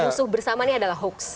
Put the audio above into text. musuh bersama ini adalah hoax